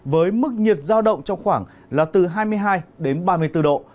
với mức nhiệt giao động trong khoảng là từ hai mươi hai đến ba mươi bốn độ